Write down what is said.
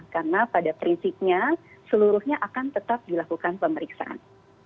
karena pada prinsipnya seluruhnya akan tetap dilakukan pemeriksaan